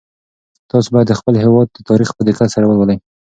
تاسو باید د خپل هېواد تاریخ په دقت سره ولولئ.